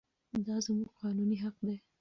دا زموږ قانوني حق دی.